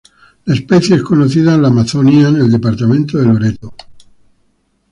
La especie es conocida en la Amazonia en el Departamento de Loreto.